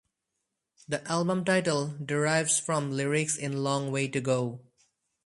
The album title derives from lyrics in "Long Way to Go".